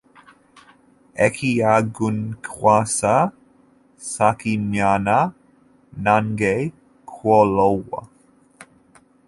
Ekyagunkwasa saakimanya nange kw'olwo.